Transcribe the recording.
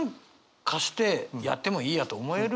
貸してやってもいいやと思える。